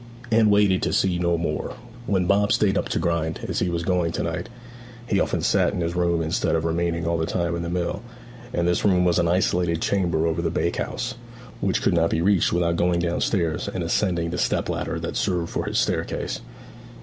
Anne waited to see no more. When Bob stayed up to grind, as he was doing to night, he often sat in his room instead of remaining all the time in the mill; and this room was an isolated chamber over the bakehouse, which could not be reached without going downstairs and ascending the step ladder that served for his staircase.